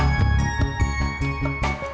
udah langsung kerja